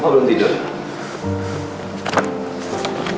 mbak belum tidur